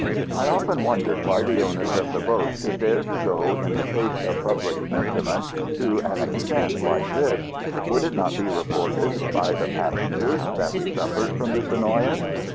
I often wondered why the owners of the boat should dare to go in the face of the public sentiment to an extent like this. Would it not be reported, by the passengers, that we suffered from this annoyance?